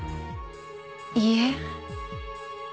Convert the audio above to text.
いいえ。